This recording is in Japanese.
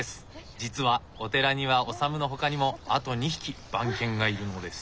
実はお寺にはオサムのほかにもあと２匹番犬がいるのです。